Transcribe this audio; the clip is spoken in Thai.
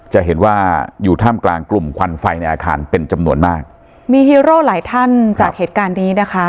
จะเห็นว่าอยู่ท่ามกลางกลุ่มควันไฟในอาคารเป็นจำนวนมากมีฮีโร่หลายท่านจากเหตุการณ์นี้นะคะ